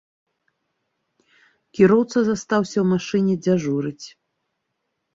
Кіроўца застаўся ў машыне дзяжурыць.